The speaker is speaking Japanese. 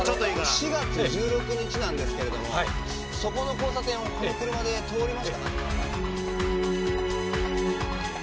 ４月１６日なんですけれどもそこの交差点をこの車で通りましたか？